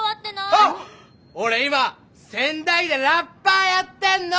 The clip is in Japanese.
あっ俺今仙台でラッパーやってんの！